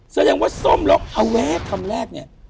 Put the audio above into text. แสดงว่าส้มหาแว้คำแรกเนี่ย